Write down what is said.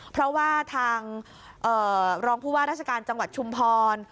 เพราะว่าทางรองผู้ว่าราชการจังหวัดชุมพร